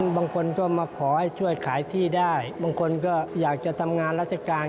บางคนก็มาขอให้ช่วยขายที่ได้บางคนก็อยากจะทำงานราชการ